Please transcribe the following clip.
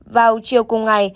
vào chiều cùng ngày